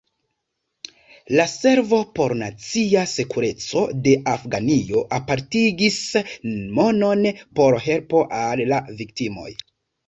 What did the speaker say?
La Servo por nacia sekureco de Afganio apartigis monon por helpo al la viktimoj.